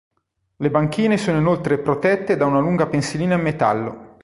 Le banchine sono inoltre protette da una lunga pensilina in metallo.